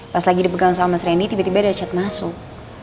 pas lagi dipegang sama mas reni tiba tiba ada chat masuk